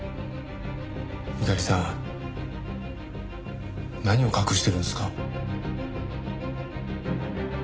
猪狩さん何を隠してるんですか？